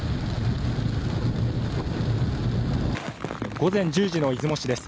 午前１０時の出雲市です。